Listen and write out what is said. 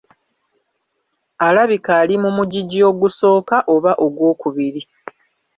Alabika ali mu mugigi ogusooka oba ogwokubiri.